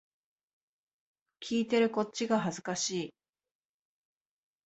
聞いてるこっちが恥ずかしい